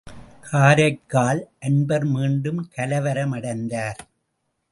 காரைக்கால் அன்பர் மீண்டும் கலவரம் அடைந்தார்.